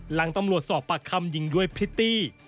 หลังตำรวจสอบปากคำยิงด้วยพริตตี้